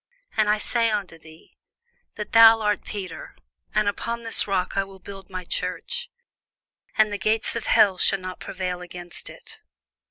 And I say also unto thee, That thou art Peter, and upon this rock I will build my church; and the gates of hell shall not prevail against it.